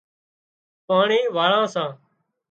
پاڻي واۯان سان